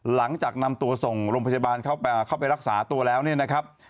หลังจากนำตัวส่งโรงพยาบาลเข้าไปรักษาตัวแล้วเนี่ยนะครับ